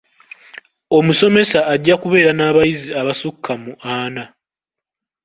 Omusomesa ajja kubeera n'abayizi abasukka mu ana.